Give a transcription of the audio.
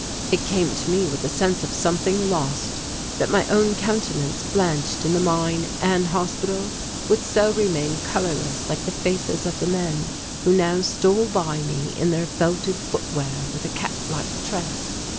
It came to me with a sense of something lost that my own countenance blanched in the mine and hospital would so remain colourless like the faces of the men who now stole by me in their felted footwear with a cat like tread.